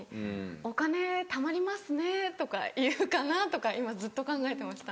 「お金たまりますね」とか言うかなとか今ずっと考えてました。